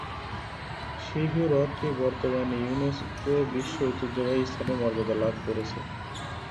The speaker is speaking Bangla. শি হু হ্রদটি বর্তমানে ইউনেস্কো বিশ্ব ঐতিহ্যবাহী স্থানের মর্যাদা লাভ করেছে।